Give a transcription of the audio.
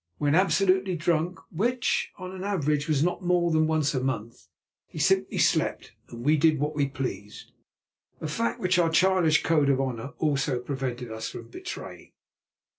When absolutely drunk, which, on an average, was not more than once a month, he simply slept, and we did what we pleased—a fact which our childish code of honour also prevented us from betraying.